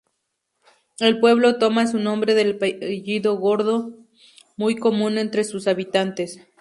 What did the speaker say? El pueblo toma su nombre del apellido Gordo, muy común entre sus habitantes.